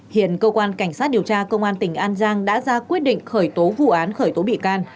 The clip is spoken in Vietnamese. hiện cơ quan cảnh sát điều tra công an tỉnh an giang đã ra quyết định khởi tố vụ án khởi tố bị can